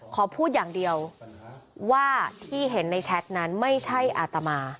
ขอพูดอย่างเดียวว่าที่เห็นในแชทนั้นไม่ใช่อาตมา